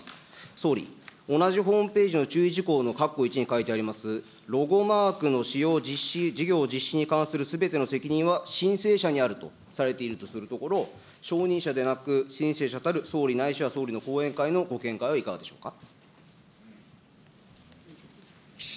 総理、同じホームページの注意事項のかっこ１に書いてあります、ロゴマークの使用実施、事業実施に関するすべての責任は申請者にあるとされているとするところを、承認者でなく、たる総理ないしは総理の後援会のご見解はいかがでしょうか。